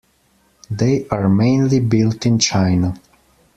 They are mainly built in China.